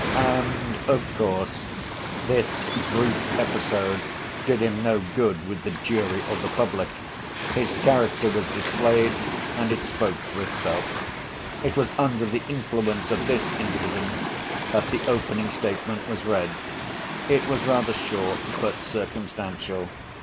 And, of course, this brief episode did him no good with the jury or the public. His character was displayed, and it spoke for itself. It was under the influence of this incident that the opening statement was read. It was rather short, but circumstantial.